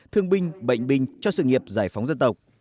thương binh bệnh binh cho sự nghiệp giải phóng dân tộc